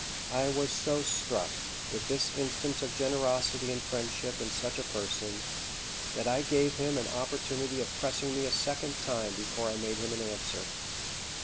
I was so struck with this instance of generosity and friendship in such a person, that I gave him an opportunity of pressing me a second time before I made him an answer.